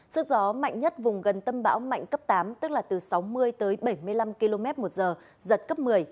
sức gió mạnh nhất vùng gần tâm bão mạnh cấp tám tức là từ sáu mươi tới bảy mươi năm km một giờ giật cấp một mươi